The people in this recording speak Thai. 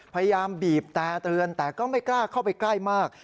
พยายามบีบแต่เตือนแต่ก็ไม่กล้าเข้าไปใกล้มาก